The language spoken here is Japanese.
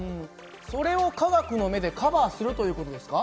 それを科学の目でカバーするという事ですか？